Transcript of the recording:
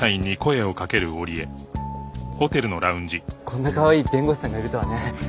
こんなかわいい弁護士さんがいるとはね。